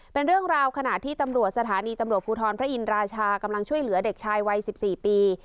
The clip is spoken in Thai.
เป็นเรื่องราวขณะที่ตำรวจสถานีตำรวจภูทรพระอินราชากำลังช่วยเหลือเด็กชายวัย๑๔ปี